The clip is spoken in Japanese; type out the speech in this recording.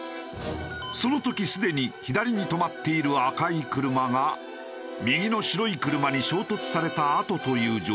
その時すでに左に止まっている赤い車が右の白い車に衝突されたあとという状況だった。